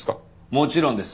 もちろんです。